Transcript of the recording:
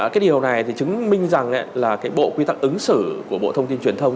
cái điều này chứng minh rằng là bộ quy tắc ứng xử của bộ thông tin truyền thông